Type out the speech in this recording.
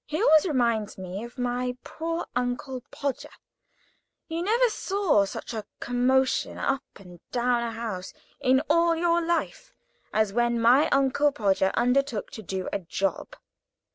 He always reminds me of my poor Uncle Podger. You never saw such a commotion up and down a house, in all your life, as when my Uncle Podger undertook to do a job.